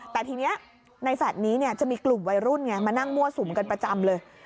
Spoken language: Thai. แต่ทีนี้ในแฟลต์นี้จะมีกลุ่มวัยรุ่นไงมานั่งมั่วสุมกันประจำเลย